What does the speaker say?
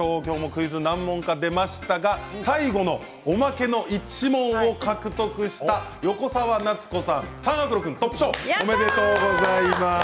クイズが何問か出ましたが最後のおまけの１問を獲得した横澤夏子さんありがとうございます。